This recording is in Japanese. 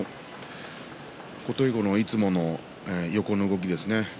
琴恵光のいつもの横の動きですね